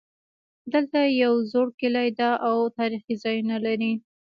دلته یو زوړ کلی ده او تاریخي ځایونه لري